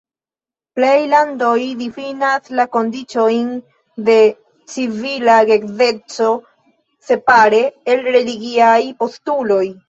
Plej landoj difinas la kondiĉojn de civila geedzeco separate el religiaj postuloj.